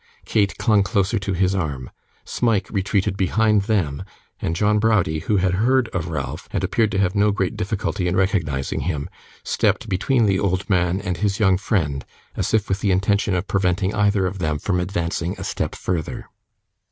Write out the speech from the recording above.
Kate clung closer to his arm, Smike retreated behind them, and John Browdie, who had heard of Ralph, and appeared to have no great difficulty in recognising him, stepped between the old man and his young friend, as if with the intention of preventing either of them from advancing a step further.